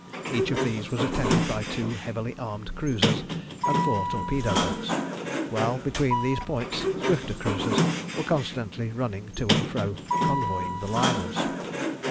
Each of these was attended by two heavily armed cruisers and four torpedo boats, while between these points swifter cruisers were constantly running to and fro convoying the liners.